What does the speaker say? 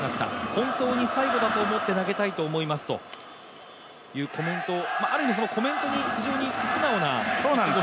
本当に最後だと思って投げたいと思いますというコメントをある意味コメントに非常に素直な気持ちが。